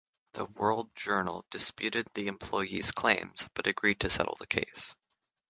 The World Journal disputed the employee's claims, but agreed to settle the case.